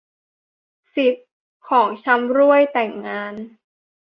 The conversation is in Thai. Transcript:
สิบ ของชำร่วยแต่งงาน